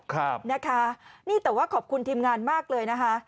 ครับนะคะนี่แต่ว่าขอบคุณทีมงานมากเลยนะคะ